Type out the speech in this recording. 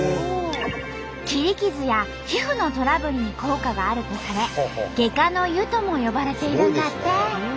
切り傷や皮膚のトラブルに効果があるとされ「外科の湯」とも呼ばれているんだって。